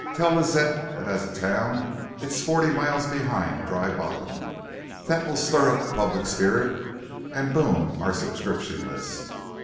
Tell Lazette that as a town it's forty miles behind Dry Bottom. That will stir up public spirit and boom our subscription list.